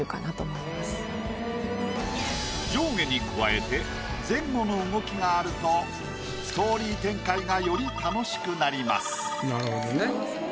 上下に加えて前後の動きがあるとストーリー展開がより楽しくなります。